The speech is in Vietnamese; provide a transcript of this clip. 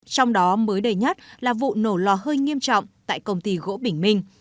trong đó mới đây nhất là vụ nổ lò hơi nghiêm trọng tại công ty gỗ bình minh